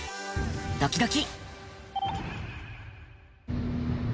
ドキドキ。